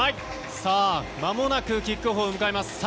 まもなくキックオフを迎えます